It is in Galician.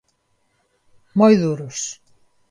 Moi duros.